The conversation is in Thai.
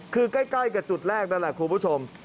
คือใกล้กับจุดแรกนั่นแหละคุณผู้ชม